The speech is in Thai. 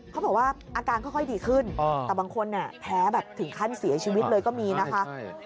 เขาบอกว่าอาการค่อยดีขึ้นแต่บางคนเนี่ยแพ้แบบถึงขั้นเสียชีวิตเลยก็มีนะคะ